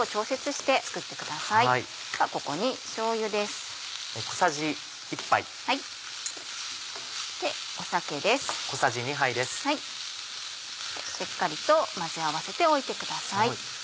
しっかりと混ぜ合わせておいてください。